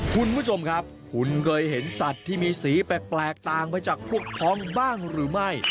คุณผู้ชมครับคุณเคยเห็นสัตว์ที่มีสีแปลกต่างไปจากพวกพ้องบ้างหรือไม่